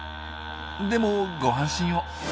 でもご安心を。